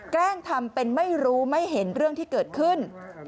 แกล้งทำเป็นไม่รู้ไม่เห็นเรื่องที่เกิดขึ้น